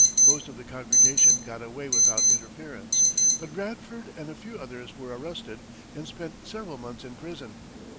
Most of the congregation got away without interference, but Bradford and a few others were arrested and spent several months in prison.